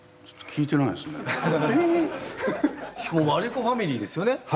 ちょっと聞いてないですね。